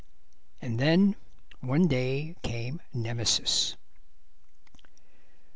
And then one day came Nemesis.